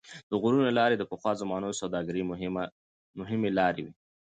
د غرونو لارې د پخوا زمانو د سوداګرۍ مهمې لارې وې.